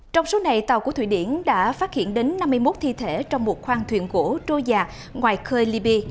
trong số này tàu của thụy điển đã phát hiện đến năm mươi một thi thể trong một khoang thuyền gỗ trô già ngoài khơi liby